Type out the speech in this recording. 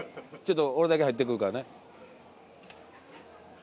ちょっと俺だけ入ってくるからね。